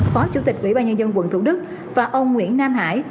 phó chủ tịch ủy ban nhân dân quận thủ đức và ông nguyễn nam hải